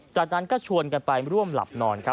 จากนั้นก็ชวนกันไปร่วมหลับนอน